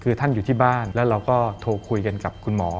คือท่านอยู่ที่บ้านแล้วเราก็โทรคุยกันกับคุณหมอ